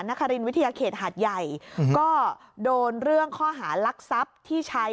นครินวิทยาเขตหาดใหญ่ก็โดนเรื่องข้อหารักทรัพย์ที่ใช้